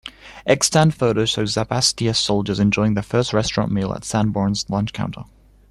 Extant photos show "Zapatista" soldiers enjoying their first restaurant meal at Sanborns' lunch counter.